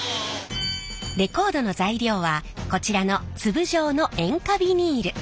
レコードの材料はこちらの粒状の塩化ビニール。